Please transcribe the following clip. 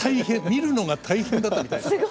見るのが大変だったみたいですよ。